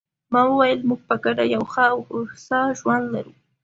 ما وویل: موږ په ګډه یو ښه او هوسا ژوند لرو.